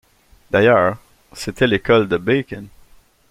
D’ailleurs, c’était l’école de Bacon.